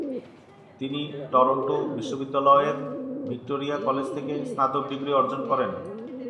তিনি টরন্টো বিশ্ববিদ্যালয়ের Victoria college থেকে স্নাতক ডিগ্রি অর্জন করেন।